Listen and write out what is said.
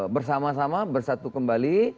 bersama sama bersatu kembali